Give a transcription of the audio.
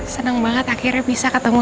senang banget akhirnya bisa ketemu